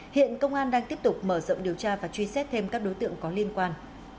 hiện công an đang tiếp tục mở rộng điều tra và truy xét thêm các đối tượng có liên quan